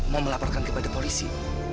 mau melaporkan kepada polisi